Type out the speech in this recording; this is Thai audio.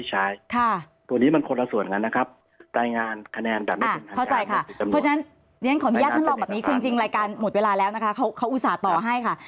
หมดเวลาแล้วนะคะเขาอุตส่าห์ต่อให้ค่ะ